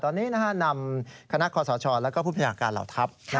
ตอนนี้นำคณะคอสชและผู้พยาการเหล่าทัพ